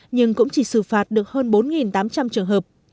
nhưng cũng chỉ xử phạt được hơn bốn tám trăm linh trường hợp